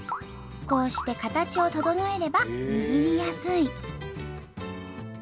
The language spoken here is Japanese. こうして形を整えれば握りやすい。